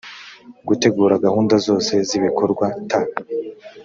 gutegura gahunda zose z’ibikorwa t